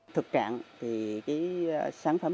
thực trạng thì cái sản phẩm